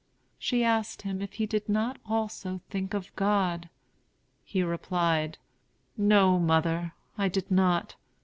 She asked him if he did not also think of God. He replied: "No, mother, I did not.